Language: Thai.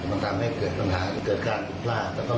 มันทำให้เกิดปัญหาเกิดการปลอดภัย